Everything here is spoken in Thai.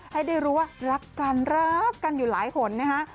ให้ได้รู้ว่ารักกันรักกันอยู่หลายหนนะคะ